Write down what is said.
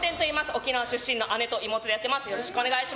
沖縄出身の姉と妹でやってます。